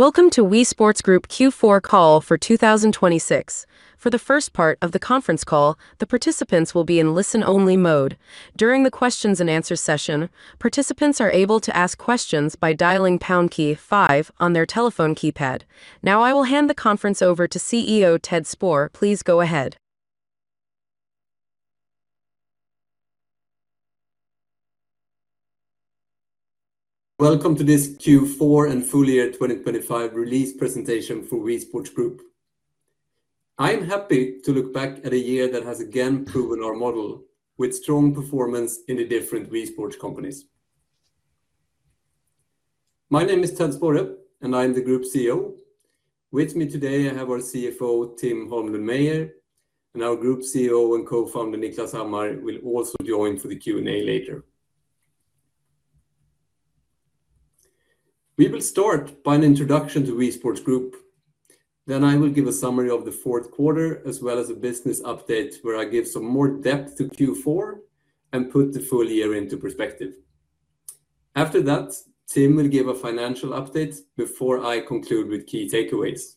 Welcome to WeSports Group Q4 call for 2026. For the first part of the conference call, the participants will be in listen-only mode. During the question-and-answer session, participants are able to ask questions by dialing pound key five on their telephone keypad. I will hand the conference over to CEO, Ted Sporre. Please go ahead. Welcome to this Q4 and full year 2025 release presentation for WeSports Group. I'm happy to look back at a year that has again proven our model with strong performance in the different WeSports companies. My name is Ted Sporre, I'm the Group CEO. With me today, I have our CFO, Tim Holmlund Meier, our Group CEO and Co-founder, Niklas Hammar, will also join for the Q&A later. We will start by an introduction to WeSports Group. I will give a summary of the fourth quarter, as well as a business update, where I give some more depth to Q4 and put the full year into perspective. After that, Tim will give a financial update before I conclude with key takeaways.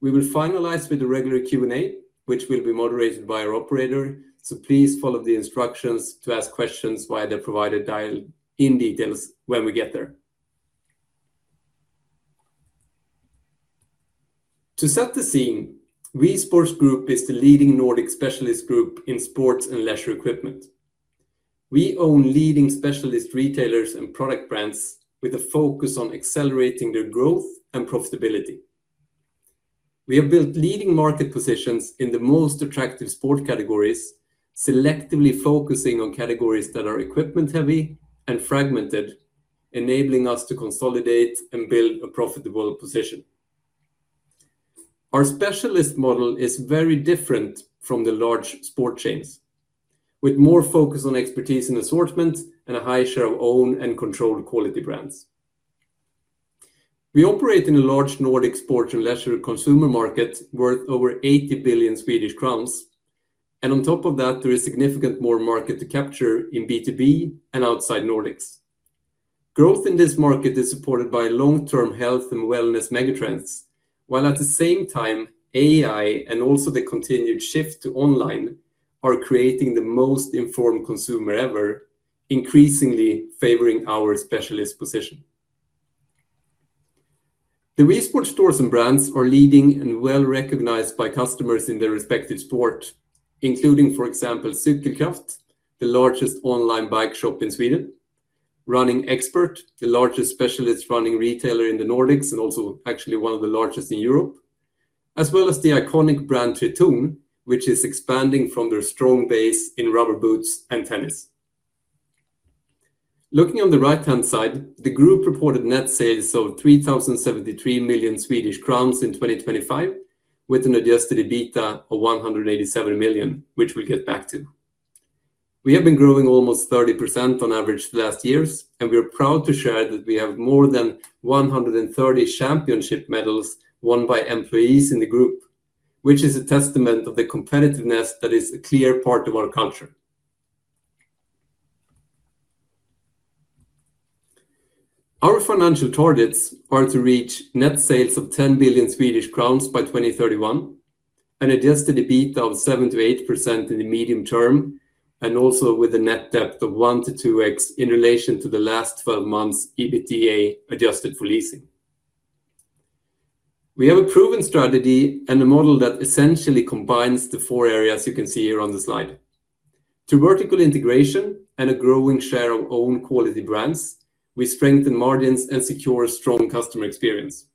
We will finalize with a regular Q&A, which will be moderated by our operator, so please follow the instructions to ask questions via the provided dial-in details when we get there. To set the scene, WeSports Group is the leading Nordic specialist group in sports and leisure equipment. We own leading specialist retailers and product brands with a focus on accelerating their growth and profitability. We have built leading market positions in the most attractive sport categories, selectively focusing on categories that are equipment-heavy and fragmented, enabling us to consolidate and build a profitable position. Our specialist model is very different from the large sport chains, with more focus on expertise and assortment and a high share of owned and controlled quality brands. We operate in a large Nordic sports and leisure consumer market worth over 80 billion Swedish crowns, and on top of that, there is significant more market to capture in B2B and outside Nordics. Growth in this market is supported by long-term health and wellness megatrends, while at the same time, AI, and also the continued shift to online, are creating the most informed consumer ever, increasingly favoring our specialist position. The WeSports stores and brands are leading and well-recognized by customers in their respective sport, including, for example, Cykelkraft, the largest online bike shop in Sweden; RunningXpert, the largest specialist running retailer in the Nordics and also actually one of the largest in Europe; as well as the iconic brand, Tretorn, which is expanding from their strong base in rubber boots and tennis. Looking on the right-hand side, the group reported net sales of 3,073 million Swedish crowns in 2025, with an adjusted EBITDA of 187 million, which we'll get back to. We have been growing almost 30% on average the last years. We are proud to share that we have more than 130 championship medals won by employees in the group, which is a testament of the competitiveness that is a clear part of our culture. Our financial targets are to reach net sales of 10 billion Swedish crowns by 2031, an adjusted EBITDA of 7%-8% in the medium term, and also with a net debt of 1x-2x in relation to the last 12 months, EBITDA, adjusted for leasing. We have a proven strategy and a model that essentially combines the four areas you can see here on the slide. Through vertical integration and a growing share of own quality brands, we strengthen margins and secure strong customer experience.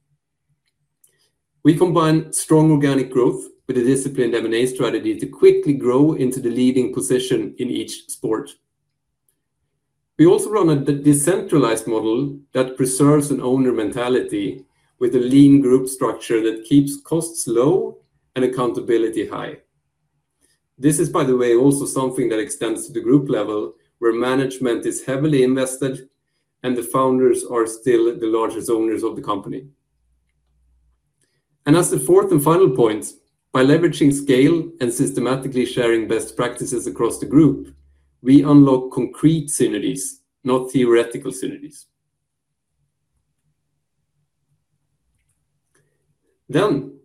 We combine strong organic growth with a disciplined M&A strategy to quickly grow into the leading position in each sport. We also run a decentralized model that preserves an owner mentality with a lean group structure that keeps costs low and accountability high. This is, by the way, also something that extends to the group level, where management is heavily invested and the founders are still the largest owners of the company. As the fourth and final point, by leveraging scale and systematically sharing best practices across the group, we unlock concrete synergies, not theoretical synergies.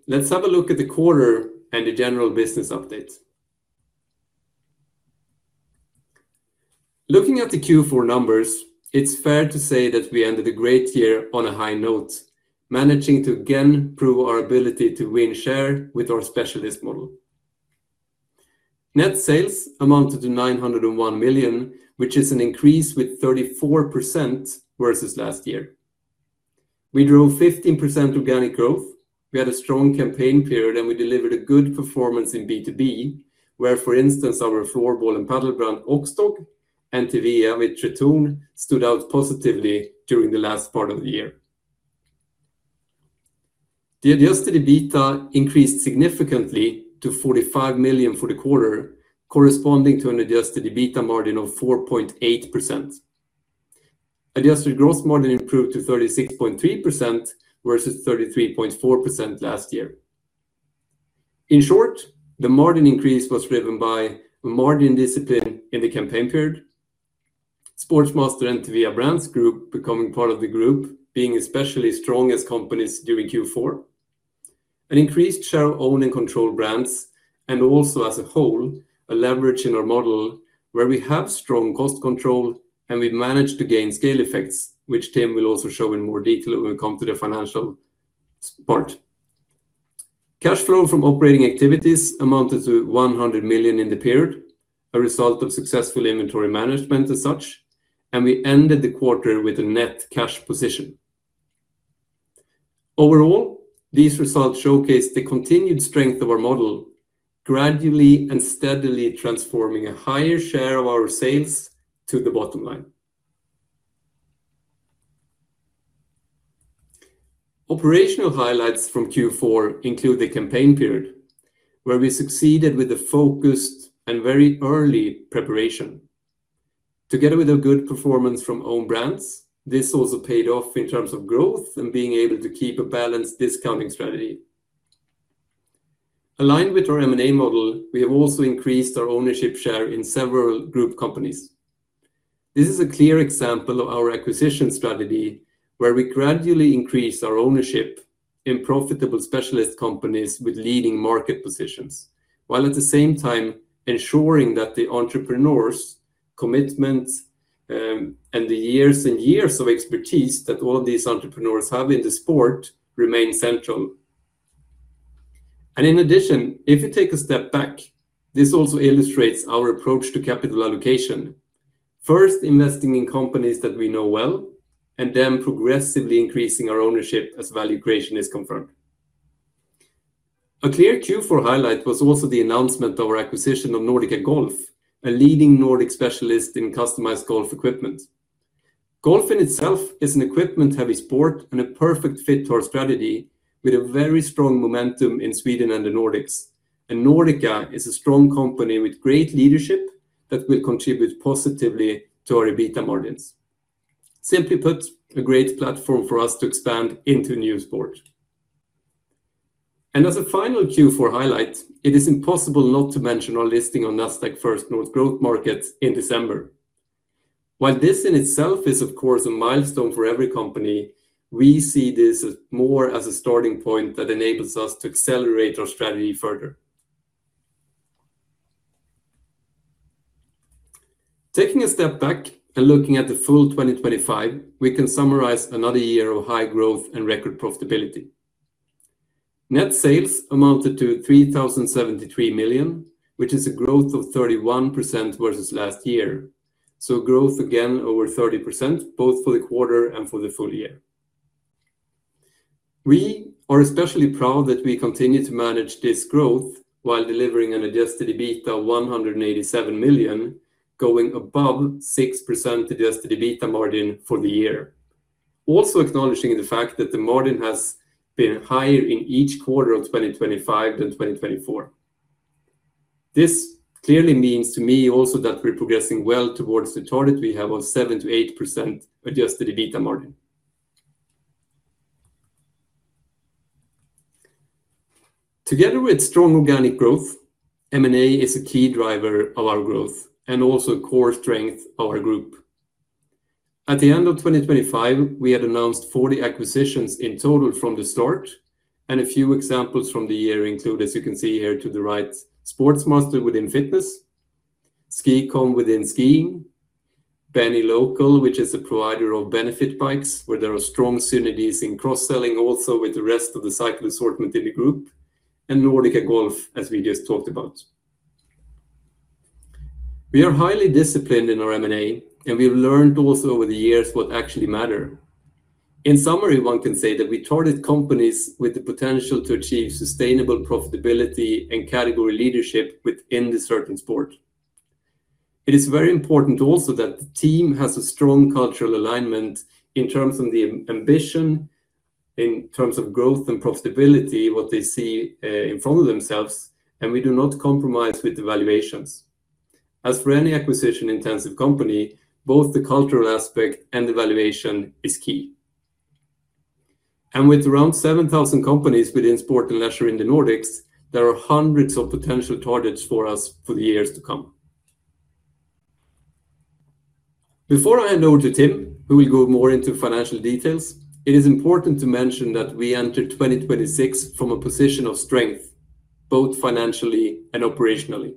Let's have a look at the quarter and the general business update. Looking at the Q4 numbers, it's fair to say that we ended a great year on a high note, managing to again prove our ability to win share with our specialist model. Net sales amounted to 901 million, which is an increase with 34% versus last year. We drove 15% organic growth. We had a strong campaign period. We delivered a good performance in B2B, where, for instance, our floorball and paddle brand, Oxdog, and Thevea with Tretorn, stood out positively during the last part of the year. The adjusted EBITDA increased significantly to 45 million for the quarter, corresponding to an adjusted EBITDA margin of 4.8%. Adjusted gross margin improved to 36.3% versus 33.4% last year. In short, the margin increase was driven by margin discipline in the campaign period, Sportsmaster and Thevea Brands Group becoming part of the group, being especially strong as companies during Q4, an increased share of owned and controlled brands, and also as a whole, a leverage in our model where we have strong cost control and we've managed to gain scale effects, which Tim will also show in more detail when we come to the financial part. Cash flow from operating activities amounted to 100 million in the period, a result of successful inventory management as such. We ended the quarter with a net cash position. Overall, these results showcase the continued strength of our model, gradually and steadily transforming a higher share of our sales to the bottom line. Operational highlights from Q4 include the campaign period, where we succeeded with a focused and very early preparation. Together with a good performance from own brands, this also paid off in terms of growth and being able to keep a balanced discounting strategy. Aligned with our M&A model, we have also increased our ownership share in several group companies. This is a clear example of our acquisition strategy, where we gradually increase our ownership in profitable specialist companies with leading market positions, while at the same time ensuring that the entrepreneur's commitments and the years and years of expertise that all of these entrepreneurs have in the sport remain central. In addition, if you take a step back, this also illustrates our approach to capital allocation. First, investing in companies that we know well, and then progressively increasing our ownership as value creation is confirmed. A clear Q4 highlight was also the announcement of our acquisition of NordicaGolf, a leading Nordic specialist in customized golf equipment. Golf in itself is an equipment-heavy sport and a perfect fit to our strategy with a very strong momentum in Sweden and the Nordics. NordicaGolf is a strong company with great leadership that will contribute positively to our EBITDA margins. Simply put, a great platform for us to expand into a new sport. As a final Q4 highlight, it is impossible not to mention our listing on Nasdaq First North Growth Market in December. While this in itself is, of course, a milestone for every company, we see this as more as a starting point that enables us to accelerate our strategy further. Taking a step back and looking at the full 2025, we can summarize another year of high growth and record profitability. Net sales amounted to 3,073 million, which is a growth of 31% versus last year. Growth again, over 30%, both for the quarter and for the full year. We are especially proud that we continue to manage this growth while delivering an adjusted EBITDA of 187 million, going above 6% adjusted EBITDA margin for the year. Also acknowledging the fact that the margin has been higher in each quarter of 2025 than 2024. This clearly means to me also that we're progressing well towards the target we have of 7%-8% adjusted EBITDA margin. Together with strong organic growth, M&A is a key driver of our growth and also a core strength of our group. At the end of 2025, we had announced 40 acquisitions in total from the start. A few examples from the year include, as you can see here to the right, Sportsmaster within fitness, SkiCom within skiing, Beny Local, which is a provider of benefit bikes, where there are strong synergies in cross-selling also with the rest of the cycle assortment in the group, and NordicaGolf, as we just talked about. We are highly disciplined in our M&A, and we've learned also over the years what actually matter. In summary, one can say that we target companies with the potential to achieve sustainable profitability and category leadership within the certain sport. It is very important also that the team has a strong cultural alignment in terms of the ambition, in terms of growth and profitability, what they see in front of themselves. We do not compromise with the valuations. As for any acquisition-intensive company, both the cultural aspect and the valuation is key. With around 7,000 companies within sports and leisure in the Nordics, there are hundreds of potential targets for us for the years to come. Before I hand over to Tim, who will go more into financial details, it is important to mention that we enter 2026 from a position of strength, both financially and operationally.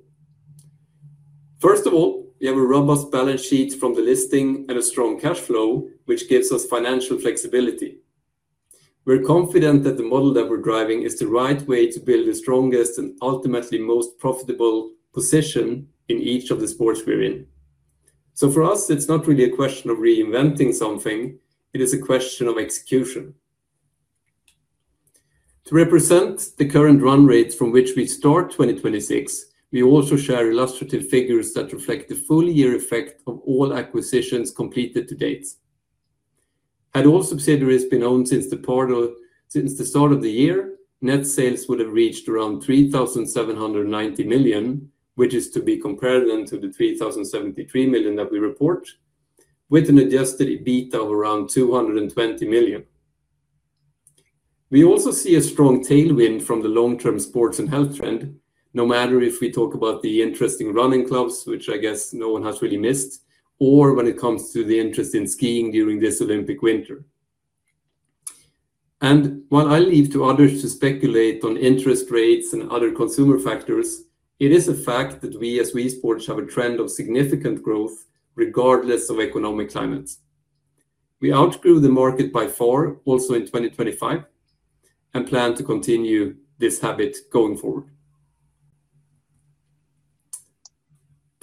First of all, we have a robust balance sheet from the listing and a strong cash flow, which gives us financial flexibility. We're confident that the model that we're driving is the right way to build the strongest and ultimately most profitable position in each of the sports we're in. For us, it's not really a question of reinventing something, it is a question of execution. To represent the current run rate from which we start 2026, we also share illustrative figures that reflect the full year effect of all acquisitions completed to date. Had all subsidiaries been owned since the start of the year, net sales would have reached around 3,790 million, which is to be compared then to the 3,073 million that we report with an adjusted EBITDA of around 220 million. We also see a strong tailwind from the long-term sports and health trend, no matter if we talk about the interesting running clubs, which I guess no one has really missed, or when it comes to the interest in skiing during this Olympic winter. While I leave to others to speculate on interest rates and other consumer factors, it is a fact that we, as WeSports, have a trend of significant growth regardless of economic climates. We outgrew the market by 4%, also in 2025, and plan to continue this habit going forward.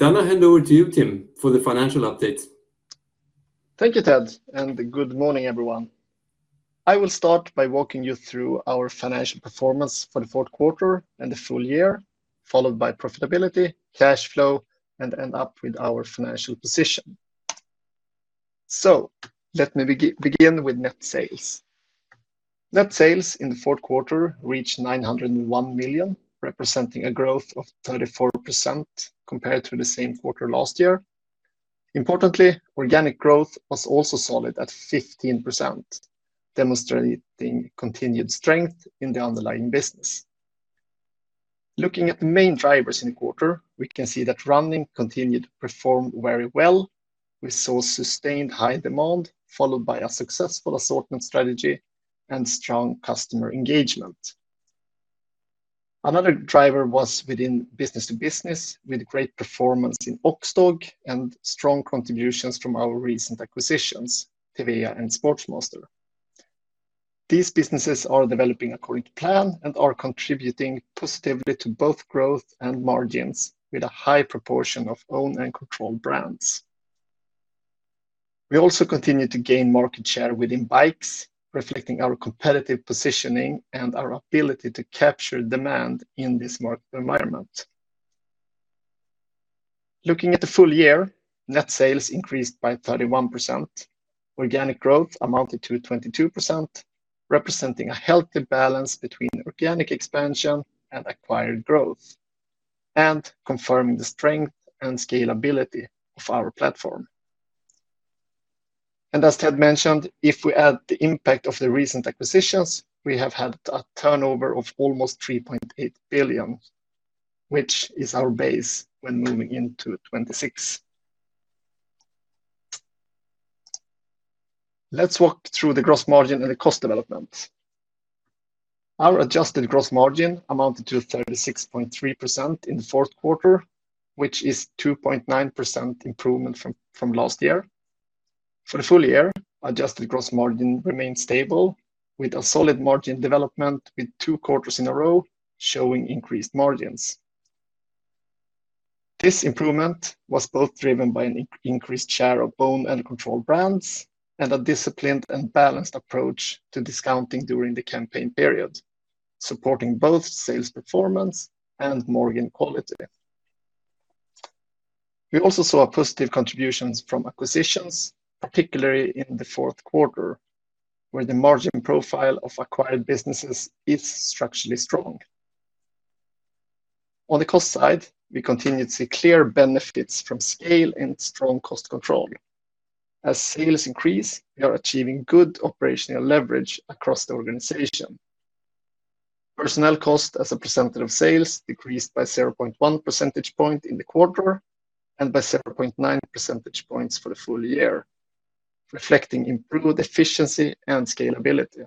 I hand over to you, Tim, for the financial update. Thank you, Ted. Good morning, everyone. I will start by walking you through our financial performance for the fourth quarter and the full year, followed by profitability, cash flow, and end up with our financial position. Let me begin with net sales. Net sales in the fourth quarter reached 901 million, representing a growth of 34% compared to the same quarter last year. Importantly, organic growth was also solid at 15%, demonstrating continued strength in the underlying business. Looking at the main drivers in the quarter, we can see that running continued to perform very well. We saw sustained high demand, followed by a successful assortment strategy and strong customer engagement. Another driver was within B2B, with great performance in Oxdog and strong contributions from our recent acquisitions, Thevea and Sportsmaster. These businesses are developing according to plan and are contributing positively to both growth and margins, with a high proportion of owned and controlled brands. We also continue to gain market share within bikes, reflecting our competitive positioning and our ability to capture demand in this market environment. Looking at the full year, net sales increased by 31%. Organic growth amounted to 22%, representing a healthy balance between organic expansion and acquired growth, and confirming the strength and scalability of our platform. As Ted mentioned, if we add the impact of the recent acquisitions, we have had a turnover of almost 3.8 billion, which is our base when moving into 2026. Let's walk through the gross margin and the cost development. Our adjusted gross margin amounted to 36.3% in the fourth quarter, which is 2.9% improvement from last year. For the full year, adjusted gross margin remained stable, with a solid margin development, with two quarters in a row showing increased margins. This improvement was both driven by an increased share of owned and controlled brands and a disciplined and balanced approach to discounting during the campaign period, supporting both sales performance and margin quality. We also saw a positive contributions from acquisitions, particularly in the fourth quarter, where the margin profile of acquired businesses is structurally strong. On the cost side, we continued to see clear benefits from scale and strong cost control. As sales increase, we are achieving good operational leverage across the organization. Personnel cost as a percentage of sales decreased by 0.1 percentage point in the quarter and by 0.9 percentage points for the full year, reflecting improved efficiency and scalability.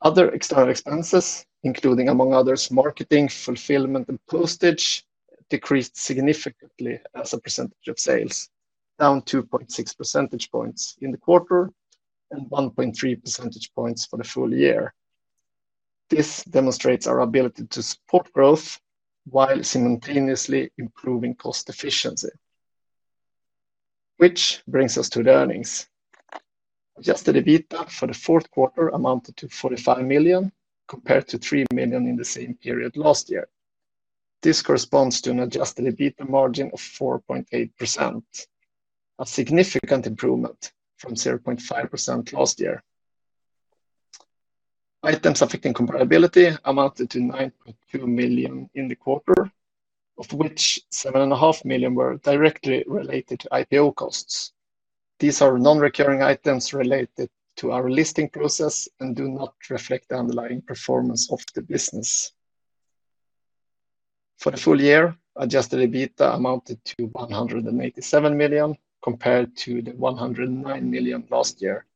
Other external expenses, including among others, marketing, fulfillment, and postage, decreased significantly as a percentage of sales, down 2.6 percentage points in the quarter and 1.3 percentage points for the full year. This demonstrates our ability to support growth while simultaneously improving cost efficiency, which brings us to the earnings. Adjusted EBITDA for the fourth quarter amounted to 45 million, compared to 3 million in the same period last year. This corresponds to an adjusted EBITDA margin of 4.8%, a significant improvement from 0.5% last year. Items affecting comparability amounted to 9.2 million in the quarter, of which 7.5 million were directly related to IPO costs. These are non-recurring items related to our listing process and do not reflect the underlying performance of the business. For the full year, adjusted EBITDA amounted to 187 million, compared to 109 million last year.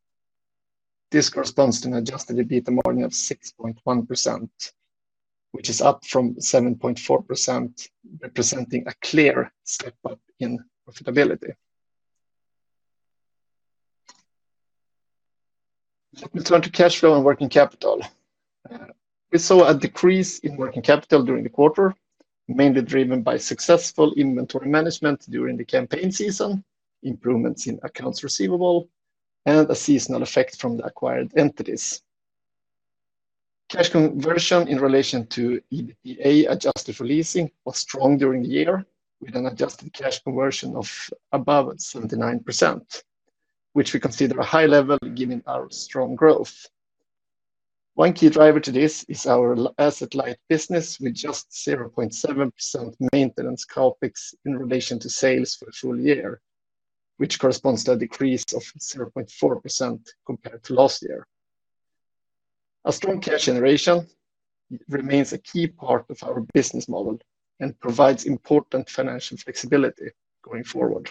This corresponds to an adjusted EBITDA margin of 6.1%, which is up from 7.4%, representing a clear step up in profitability. Let's run to cash flow and working capital. We saw a decrease in working capital during the quarter, mainly driven by successful inventory management during the campaign season, improvements in accounts receivable, and a seasonal effect from the acquired entities. Cash conversion in relation to EBITDA adjusted for leasing was strong during the year, with an adjusted cash conversion of above 79%, which we consider a high level given our strong growth. One key driver to this is our asset-light business, with just 0.7% maintenance CapEx in relation to sales for the full year, which corresponds to a decrease of 0.4% compared to last year. A strong cash generation remains a key part of our business model and provides important financial flexibility going forward.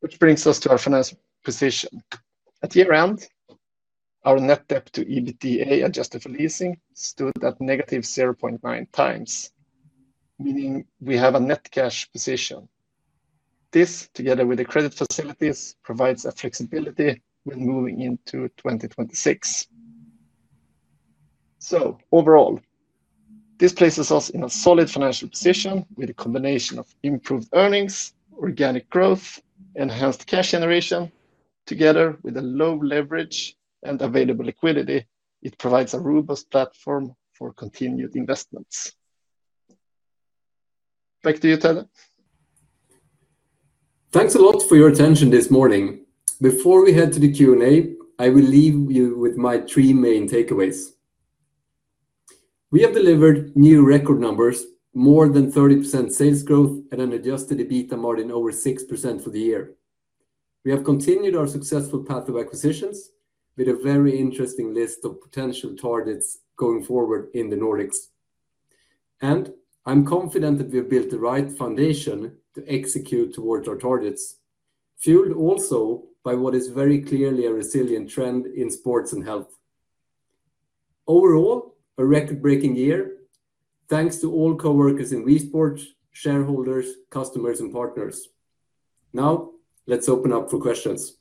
Which brings us to our financial position. At year-round, our net debt to EBITDA, adjusted for leasing, stood at -0.9x, meaning we have a net cash position. This, together with the credit facilities, provides a flexibility when moving into 2026. Overall, this places us in a solid financial position with a combination of improved earnings, organic growth, enhanced cash generation, together with a low leverage and available liquidity, it provides a robust platform for continued investments. Back to you, Ted. Thanks a lot for your attention this morning. Before we head to the Q&A, I will leave you with my three main takeaways. We have delivered new record numbers, more than 30% sales growth, and an adjusted EBITDA margin over 6% for the year. We have continued our successful path of acquisitions, with a very interesting list of potential targets going forward in the Nordics. I'm confident that we have built the right foundation to execute towards our targets, fueled also by what is very clearly a resilient trend in sports and health. Overall, a record-breaking year. Thanks to all coworkers in WeSports, shareholders, customers, and partners. Let's open up for questions.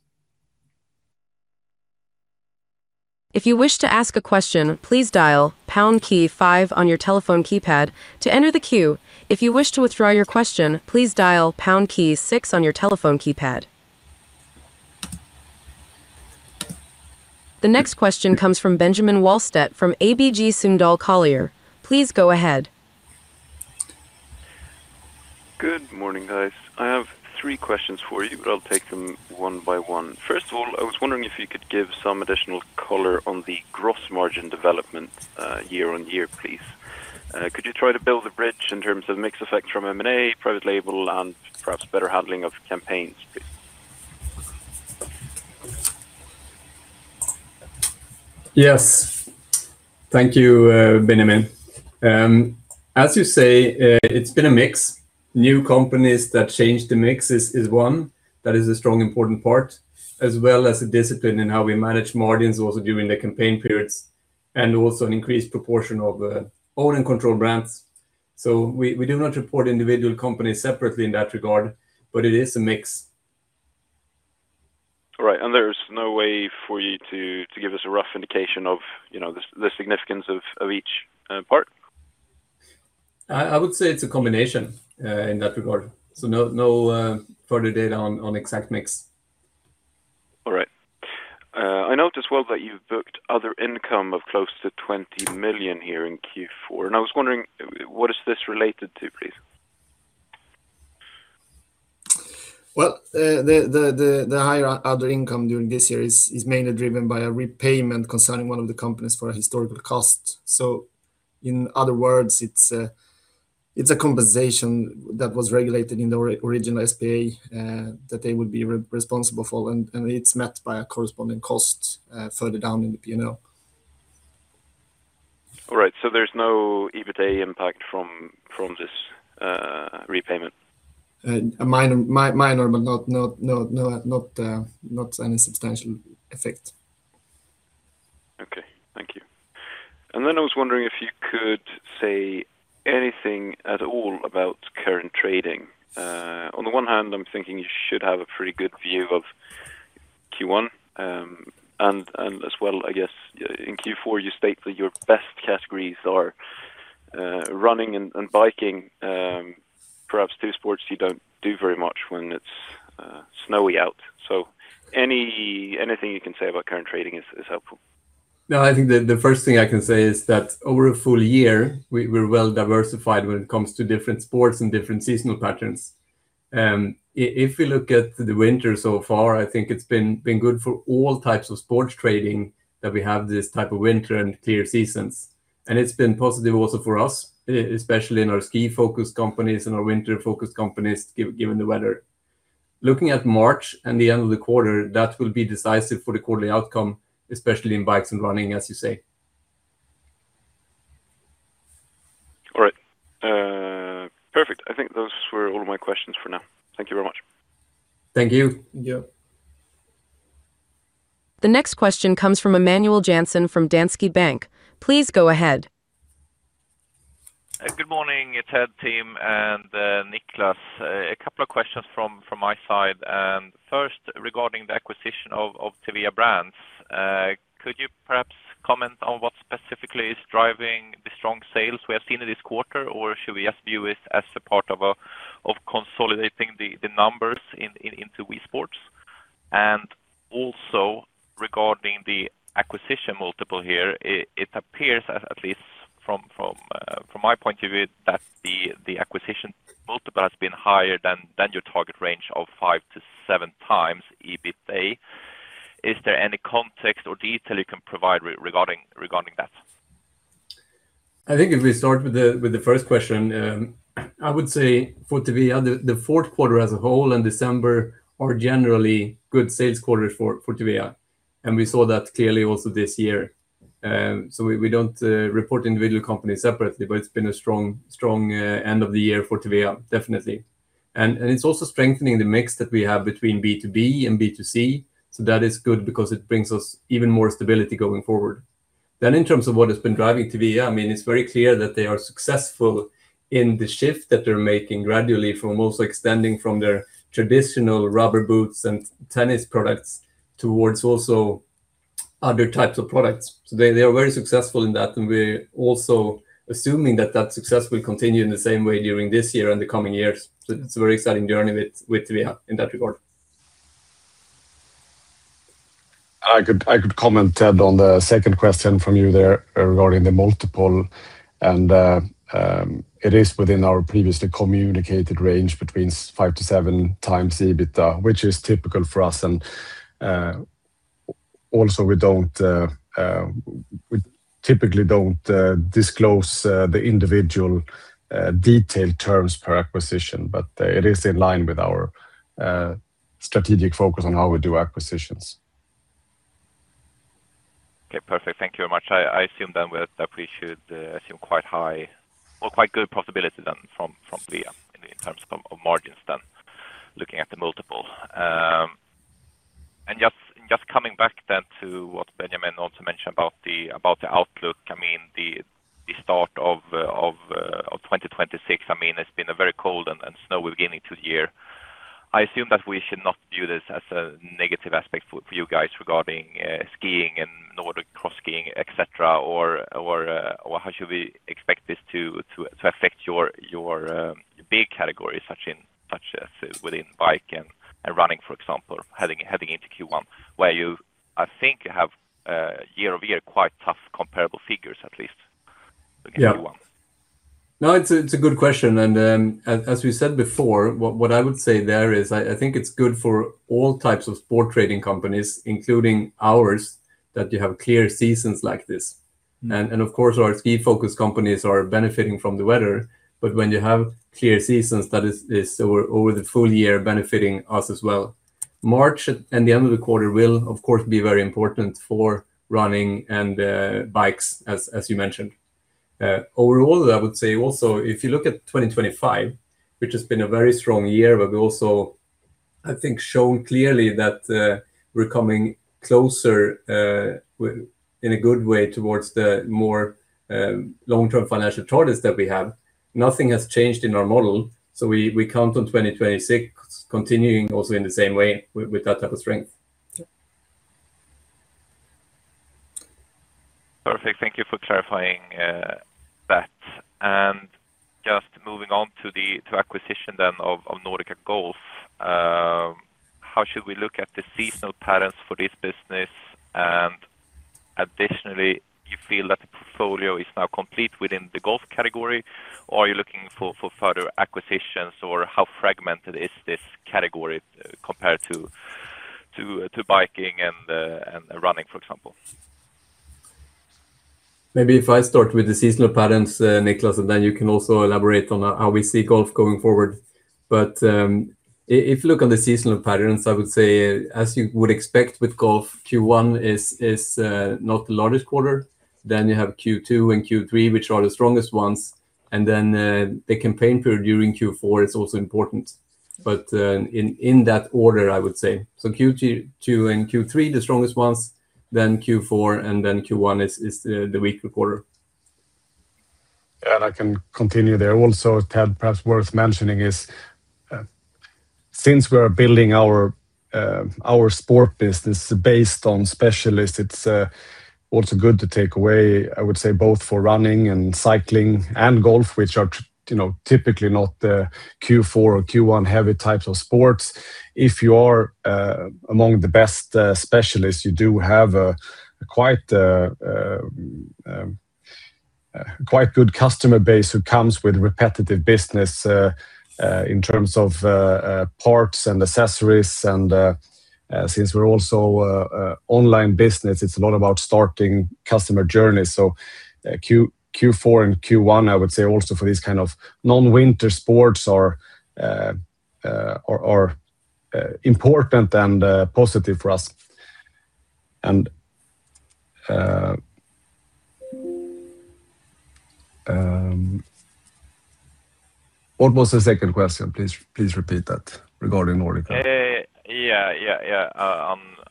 If you wish to ask a question, please dial pound key 5 on your telephone keypad to enter the queue. If you wish to withdraw your question, please dial pound key 6 on your telephone keypad. The next question comes from Benjamin Wahlstedt, from ABG Sundal Collier. Please go ahead. Good morning, guys. I have three questions for you, but I'll take them one by one. First of all, I was wondering if you could give some additional color on the gross margin development, year on year, please. Could you try to build a bridge in terms of mix effect from M&A, private label, and perhaps better handling of campaigns, please? Yes. Thank you, Benjamin. As you say, it's been a mix. New companies that change the mix is one. That is a strong, important part, as well as a discipline in how we manage margins also during the campaign periods, and also an increased proportion of owned and controlled brands. We do not report individual companies separately in that regard, but it is a mix. Right, there's no way for you to give us a rough indication of, you know, the significance of each part? I would say it's a combination, in that regard. No further data on exact mix. All right. I noticed well that you've booked other income of close to 20 million here in Q4. I was wondering what is this related to, please? Well, the higher other income during this year is mainly driven by a repayment concerning one of the companies for a historical cost. In other words, it's a conversation that was regulated in the original SPA that they would be responsible for, and it's met by a corresponding cost further down in the P&L. All right, there's no EBITDA impact from this repayment? A minor, but not any substantial effect. Okay. Thank you. Then I was wondering if you could say anything at all about current trading. On the one hand, I'm thinking you should have a pretty good view of Q1. And as well, I guess in Q4, you state that your best categories are running and biking, perhaps two sports you don't do very much when it's snowy out. Anything you can say about current trading is helpful. No, I think the first thing I can say is that over a full year, we're well diversified when it comes to different sports and different seasonal patterns. If we look at the winter so far, I think it's been good for all types of sports trading, that we have this type of winter and clear seasons. It's been positive also for us, especially in our ski-focused companies and our winter-focused companies, given the weather. Looking at March and the end of the quarter, that will be decisive for the quarterly outcome, especially in bikes and running, as you say. All right. Perfect. I think those were all my questions for now. Thank you very much. Thank you. Yep. The next question comes from Emanuel Jansson from Danske Bank. Please go ahead. Good morning, it's Ted, Tim, and Niklas. A couple of questions from my side. First, regarding the acquisition of Thevea Brands, could you perhaps comment on what specifically is driving the strong sales we have seen in this quarter? Or should we just view it as a part of a, of consolidating the numbers into WeSports? Also, regarding the acquisition multiple here, it appears as from my point of view, that the acquisition multiple has been higher than your target range of 5x-7x EBITDA. Is there any context or detail you can provide regarding that? I think if we start with the, with the first question, I would say for Thevea, the fourth quarter as a whole, and December, are generally good sales quarters for Thevea, we saw that clearly also this year. We don't report individual companies separately, but it's been a strong end of the year for Thevea, definitely. It's also strengthening the mix that we have between B2B and B2C, so that is good because it brings us even more stability going forward. In terms of what has been driving Thevea, I mean, it's very clear that they are successful in the shift that they're making gradually from also extending from their traditional rubber boots and tennis products towards also other types of products. They are very successful in that, and we're also assuming that that success will continue in the same way during this year and the coming years. It's a very exciting journey with Thevea in that regard. I could comment, Ted, on the second question from you there regarding the multiple. It is within our previously communicated range between 5x-7x EBITDA, which is typical for us, and also we typically don't disclose the individual detailed terms per acquisition, but it is in line with our strategic focus on how we do acquisitions. Okay, perfect. Thank you very much. I assume then that we should assume quite high or quite good possibility then from Thevea in terms of margins than looking at the multiple. Just coming back then to what Benjamin also mentioned about the outlook, I mean, the start of 2026, I mean, it's been a very cold and snowy beginning to the year. I assume that we should not view this as a negative aspect for you guys regarding skiing and Nordic cross-skiing, et cetera, or how should we expect this to affect your big categories, such as within bike and running, for example, heading into Q1, where you, I think you have year-over-year, quite tough comparable figures, at least in Q1? Yeah. No, it's a, it's a good question, and, as we said before, what I would say there is I think it's good for all types of sport trading companies, including ours, that you have clear seasons like this. Of course, our ski-focused companies are benefiting from the weather, but when you have clear seasons, that is over the full year benefiting us as well. March and the end of the quarter will, of course, be very important for running and bikes, as you mentioned. Overall, I would say also, if you look at 2025, which has been a very strong year, but we also, I think, shown clearly that we're coming closer in a good way towards the more long-term financial targets that we have. Nothing has changed in our model, so we count on 2026 continuing also in the same way with that type of strength. Perfect. Thank you for clarifying that. Just moving on to the acquisition then of NordicaGolf, how should we look at the seasonal patterns for this business? Additionally, you feel that the portfolio is now complete within the golf category, or are you looking for further acquisitions, or how fragmented is this category compared to biking and running, for example? Maybe if I start with the seasonal patterns, Niklas, and then you can also elaborate on how we see golf going forward. If you look on the seasonal patterns, I would say, as you would expect with golf, Q1 is not the largest quarter. You have Q2 and Q3, which are the strongest ones, and then the campaign period during Q4 is also important. In that order, I would say. Q2 and Q3, the strongest ones, then Q4, and then Q1 is the weaker quarter. I can continue there. Also, Ted, perhaps worth mentioning is, since we are building our sport business based on specialists, it's also good to take away, I would say, both for running and cycling and golf, which are you know, typically not the Q4 or Q1 heavy types of sports. If you are among the best specialists, you do have a quite quite good customer base who comes with repetitive business in terms of parts and accessories, and since we're also a online business, it's a lot about starting customer journeys. Q4 and Q1, I would say also for these kind of non-winter sports are important and positive for us. What was the second question? Please repeat that regarding NordicaGolf. Yeah,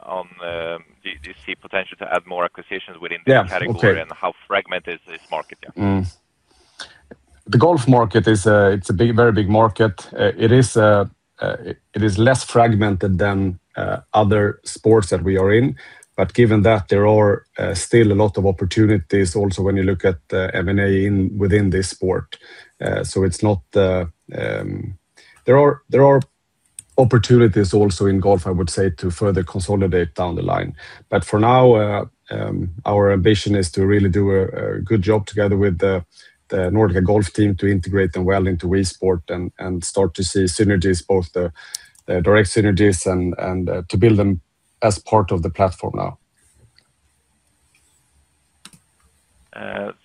do you see potential to add more acquisitions within the category? Yes. Okay. How fragmented is this market? Yeah. The golf market is a, it's a big, very big market. It is, it is less fragmented than other sports that we are in. Given that, there are still a lot of opportunities also when you look at the M&A in, within this sport. It's not. There are opportunities also in golf, I would say, to further consolidate down the line. For now, our ambition is to really do a good job together with the NordicaGolf team to integrate them well into WeSports and start to see synergies, both the direct synergies and to build them as part of the platform now.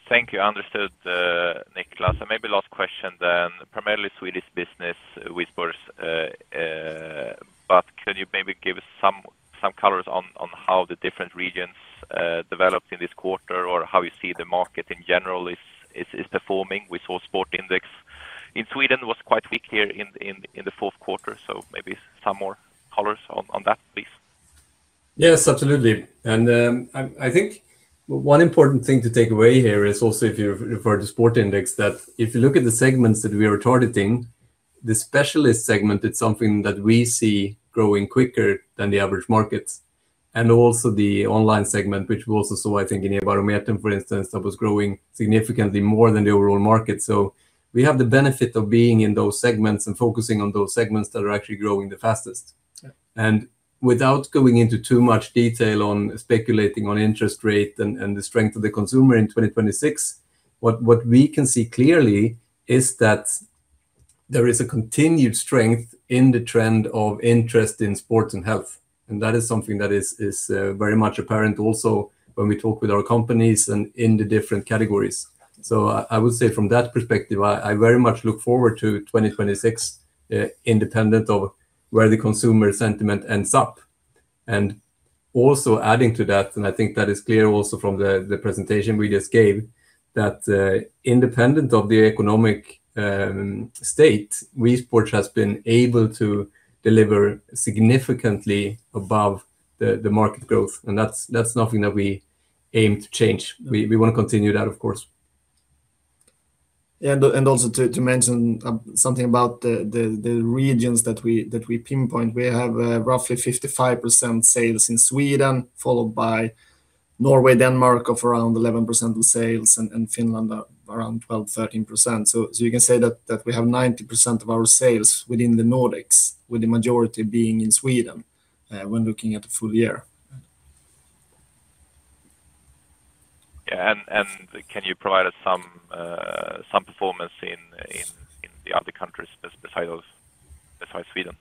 Thank you. Understood, Niklas. Maybe last question then. Primarily Swedish business with sports, can you maybe give us some colors on how the different regions developed in this quarter, or how you see the market in general is performing? We saw Sportindex in Sweden was quite weak here in the fourth quarter, maybe some more colors on that, please. Yes, absolutely. I think one important thing to take away here is also if you refer to Sportindex, that if you look at the segments that we are targeting, the specialist segment, it's something that we see growing quicker than the average markets, and also the online segment, which we also saw, I think, in the environment, for instance, that was growing significantly more than the overall market. We have the benefit of being in those segments and focusing on those segments that are actually growing the fastest. Without going into too much detail on speculating on interest rate and the strength of the consumer in 2026, what we can see clearly is that there is a continued strength in the trend of interest in sports and health. That is something that is very much apparent also when we talk with our companies and in the different categories. I would say from that perspective, I very much look forward to 2026, independent of where the consumer sentiment ends up. Also adding to that, and I think that is clear also from the presentation we just gave, that independent of the economic state, WeSports has been able to deliver significantly above the market growth, and that's nothing that we aim to change. We wanna continue that, of course. Also to mention something about the regions that we pinpoint. We have roughly 55% sales in Sweden, followed by Norway, Denmark, of around 11% of sales, and Finland around 12%-13%. You can say that we have 90% of our sales within the Nordics, with the majority being in Sweden when looking at the full year. Yeah, can you provide us some performance in the other countries besides those, besides Sweden?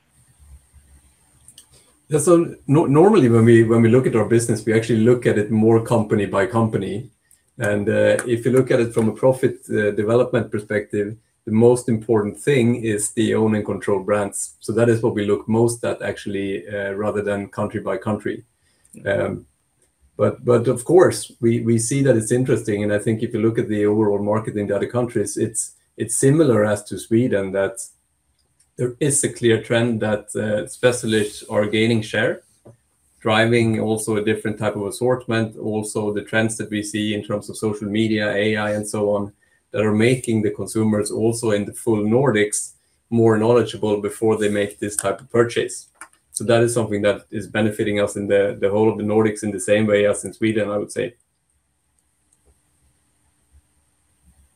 Normally, when we look at our business, we actually look at it more company by company. If you look at it from a profit development perspective, the most important thing is the own and control brands. That is what we look most at actually, rather than country by country. Of course, we see that it's interesting, and I think if you look at the overall market in the other countries, it's similar as to Sweden, that there is a clear trend that specialists are gaining share, driving also a different type of assortment. Also, the trends that we see in terms of social media, AI, and so on, that are making the consumers also in the full Nordics, more knowledgeable before they make this type of purchase. That is something that is benefiting us in the whole of the Nordics in the same way as in Sweden, I would say.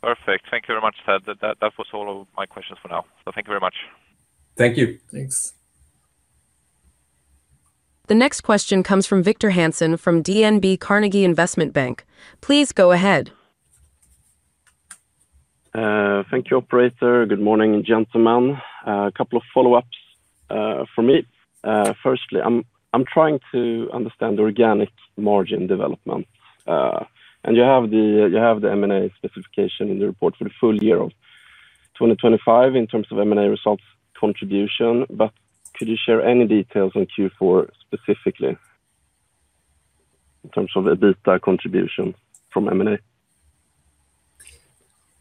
Perfect. Thank you very much, Ted. That was all of my questions for now. Thank you very much. Thank you. Thanks. The next question comes from Victor Hansen from DNB Carnegie Investment Bank. Please go ahead. Thank you, operator. Good morning, gentlemen. A couple of follow-ups from me. Firstly, I'm trying to understand the organic margin development. You have the M&A specification in the report for the full year of 2025 in terms of M&A results contribution, but could you share any details on Q4 specifically, in terms of EBITDA contribution from M&A?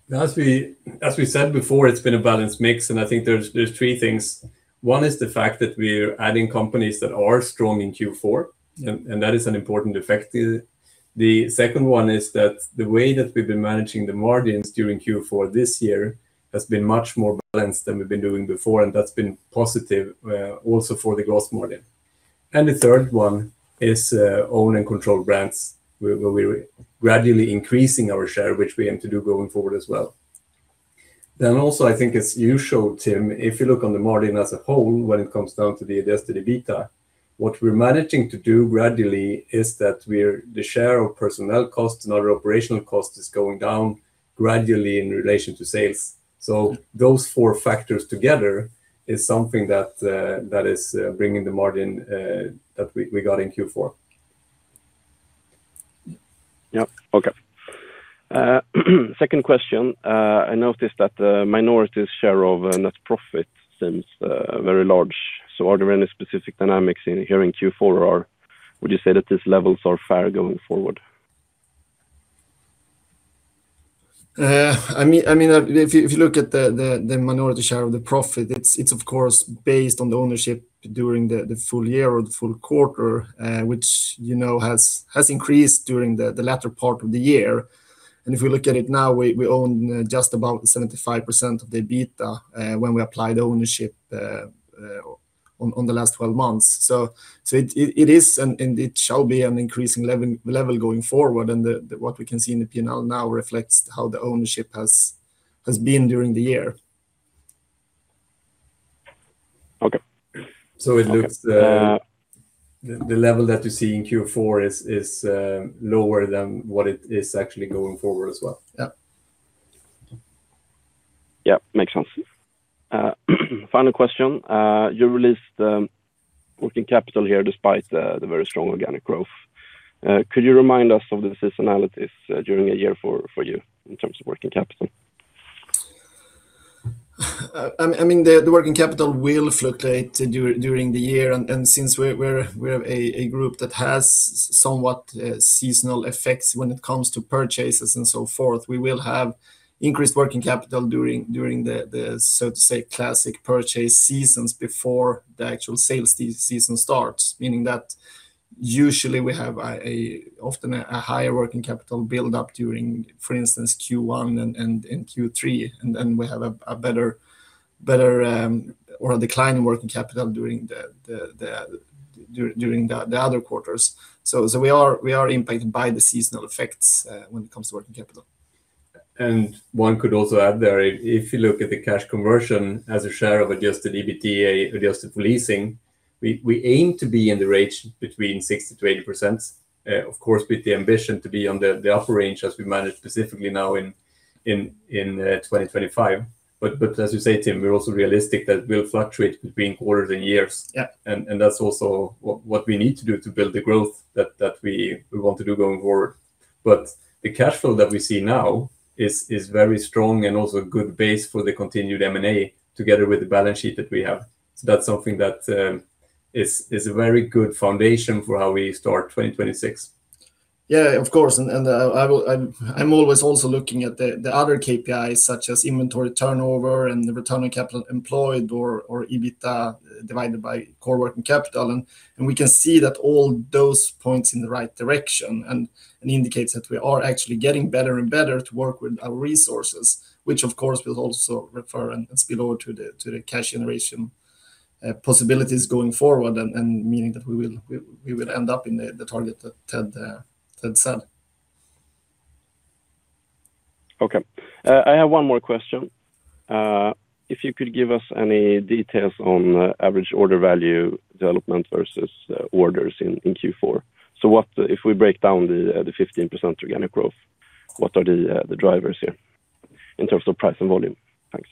As we said before, it's been a balanced mix. I think there's three things. One is the fact that we're adding companies that are strong in Q4, and that is an important effect. The second one is that the way that we've been managing the margins during Q4 this year has been much more balanced than we've been doing before, and that's been positive also for the gross margin. The third one is owned and controlled brands, where we're gradually increasing our share, which we aim to do going forward as well. Also, I think as you showed, Tim, if you look on the margin as a whole, when it comes down to the adjusted EBITDA, what we're managing to do gradually is that the share of personnel costs and our operational cost is going down gradually in relation to sales. Those four factors together is something that is bringing the margin that we got in Q4. Yeah. Okay. Second question. I noticed that the minority's share of net profit seems very large. Are there any specific dynamics in here in Q4, or would you say that these levels are fair going forward? I mean, if you look at the minority share of the profit, it's of course, based on the ownership during the full year or the full quarter, which, you know, has increased during the latter part of the year. If we look at it now, we own just about 75% of the EBITDA, when we apply the ownership on the last 12 months. It is and it shall be an increasing level going forward, and the what we can see in the P&L now reflects how the ownership has been during the year. Okay. It looks, the level that you see in Q4 is lower than what it is actually going forward as well. Yeah. Makes sense. Final question. You released working capital here, despite the very strong organic growth. Could you remind us of the seasonalities during a year for you in terms of working capital? I mean, the working capital will fluctuate during the year, and since we're a group that has somewhat seasonal effects when it comes to purchases and so forth, we will have increased working capital during the, so to say, classic purchase seasons before the actual sales season starts. Meaning that usually we have a often a higher working capital build up during, for instance, Q1 and Q3, and then we have a better or a decline in working capital during the other quarters. We are impacted by the seasonal effects when it comes to working capital. One could also add there, if you look at the cash conversion as a share of adjusted EBITDA, adjusted leasing, we aim to be in the range between 60%-80%. Of course, with the ambition to be on the upper range as we manage specifically now in 2025. But as you say, Tim, we're also realistic that we'll fluctuate between quarters and years. Yeah. That's also what we need to do to build the growth that we want to do going forward. The cash flow that we see now is very strong and also a good base for the continued M&A, together with the balance sheet that we have. That's something that is a very good foundation for how we start 2026. Yeah, of course, and I'm always also looking at the other KPIs, such as inventory turnover and the return on capital employed or EBITDA, divided by core working capital. We can see that all those points in the right direction, and indicates that we are actually getting better and better to work with our resources, which of course, will also refer and spill over to the cash generation possibilities going forward, and meaning that we will end up in the target that Ted said. Okay. I have one more question. If you could give us any details on average order value development versus orders in Q4? If we break down the 15% organic growth, what are the drivers here in terms of price and volume? Thanks.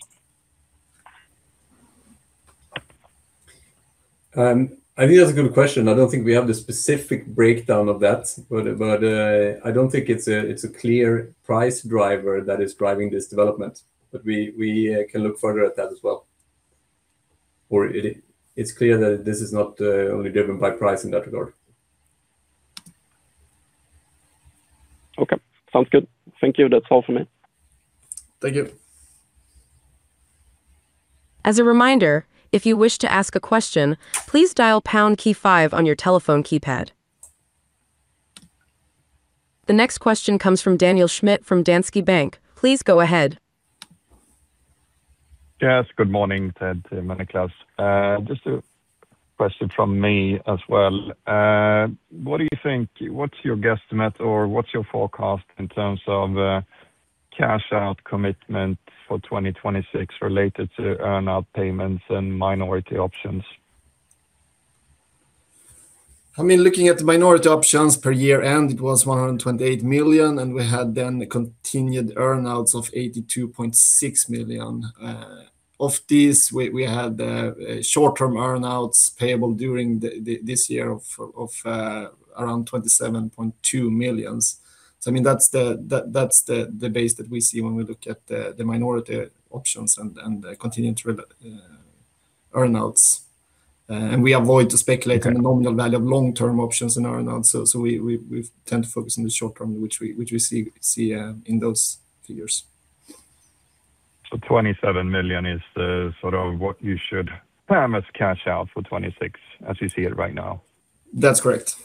I think that's a good question. I don't think we have the specific breakdown of that, but I don't think it's a clear price driver that is driving this development, but we can look further at that as well. It's clear that this is not only driven by price in that regard. Okay. Sounds good. Thank you. That's all for me. Thank you. As a reminder, if you wish to ask a question, please dial pound key 5 on your telephone keypad. The next question comes from Daniel Schmidt from Danske Bank. Please go ahead. Yes, good morning, Ted, Tim, and Niklas. Just a question from me as well. What do you think? What's your guesstimate or what's your forecast in terms of cash out commitment for 2026 related to earn-out payments and minority options? I mean, looking at the minority options per year, it was 128 million, and we had then continued earn-outs of 82.6 million. Of this, we had short-term earn-outs payable during this year of around 27.2 million. I mean, that's the, that's the base that we see when we look at the minority options and continuing to earn-outs. We avoid to speculate on the nominal value of long-term options in earn-outs, so we tend to focus on the short term, which we see in those figures. 27 million is, sort of what you should promise cash out for 2026, as you see it right now? That's correct.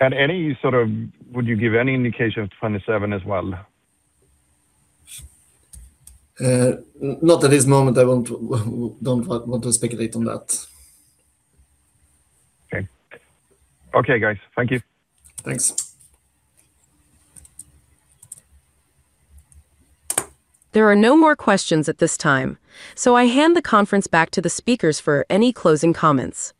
Yeah. Would you give any indication of 2027 as well? Not at this moment. I won't, don't want to speculate on that. Okay. Okay, guys. Thank you. Thanks. There are no more questions at this time, I hand the conference back to the speakers for any closing comments.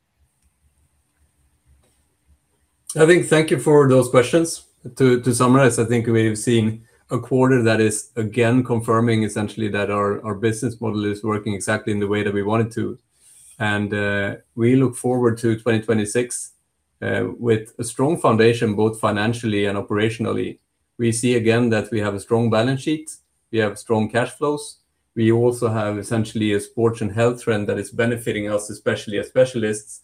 I think thank you for those questions. To summarize, I think we have seen a quarter that is, again, confirming essentially that our business model is working exactly in the way that we want it to. We look forward to 2026 with a strong foundation, both financially and operationally. We see again that we have a strong balance sheet, we have strong cash flows. We also have essentially a sports and health trend that is benefiting us, especially as specialists.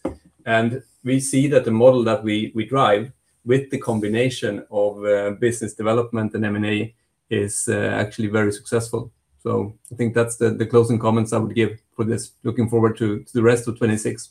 We see that the model that we drive with the combination of business development and M&A is actually very successful. I think that's the closing comments I would give for this. Looking forward to the rest of 2026.